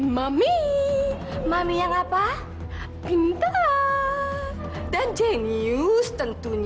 mami mami yang apa pintar dan jenius tentunya mami yang apa pintar dan jenius tentunya mami yang apa pintar dan jenius tentunya